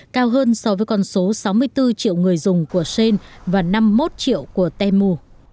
cao hơn so với con số sáu mươi bốn triệu người dùng của sen và năm mươi một triệu của temu